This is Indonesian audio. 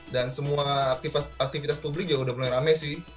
dan semua aktivitas publik juga udah mulai rame sih